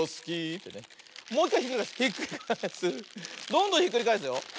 どんどんひっくりがえすよ。